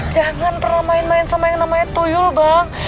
jangan pernah main main sama yang namanya toyol bang